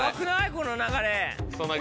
この流れ。